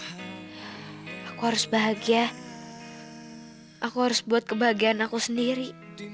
aku harus bahagia aku harus buat kebahagiaan aku sendiri